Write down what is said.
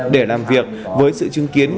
để làm việc với sự chứng kiến